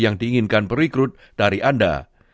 yang diinginkan perikrut dari anda